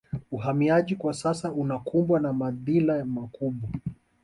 Uhamiaji kwa sasa unakumbwa na madhila makubwa